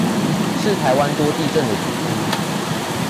是台灣多地震的主因